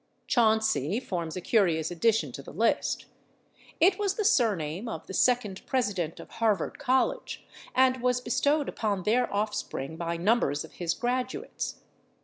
/Chauncey/ forms a curious addition to the list. It was the surname of the second president of Harvard College, and was bestowed upon their offspring by numbers of his graduates.